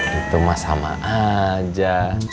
begitu sama sama aja